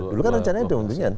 dulu kan rencananya itu